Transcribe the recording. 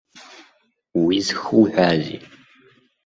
Уи зхуҳәаазеи?